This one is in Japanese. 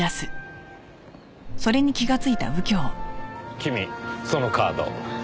君そのカード。